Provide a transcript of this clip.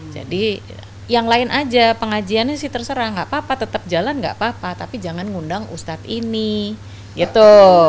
jadi yang lain aja pengajiannya sih terserah gak apa apa tetap jalan gak apa apa tapi jangan mengundang ustadz ini gitu